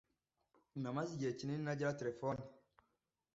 Namaze igihe kinini ntagira telephone